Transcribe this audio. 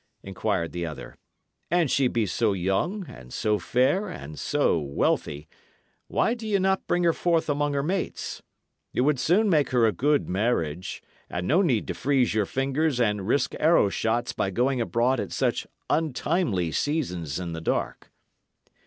inquired the other. "An she be so young, and so fair, and so wealthy, why do ye not bring her forth among her mates? Ye would soon make her a good marriage, and no need to freeze your fingers and risk arrow shots by going abroad at such untimely seasons in the dark."